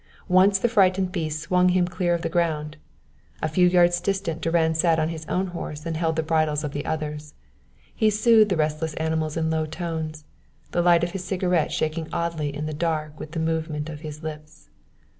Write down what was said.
Once the frightened beast swung him clear of the ground. A few yards distant Durand sat on his own horse and held the bridles of the others. He soothed the restless animals in low tones, the light of his cigarette shaking oddly in the dark with the movement of his lips.